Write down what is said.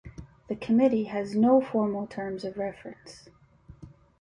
The Committee has no formal terms of reference.